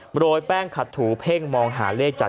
โรยแป้งขัดถูเพ่งมองหาเลขจาก